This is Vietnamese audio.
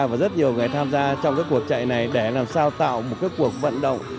và rất nhiều người tham gia trong cái cuộc chạy này để làm sao tạo một cuộc vận động